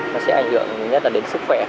nó sẽ ảnh hưởng nhất là đến sức khỏe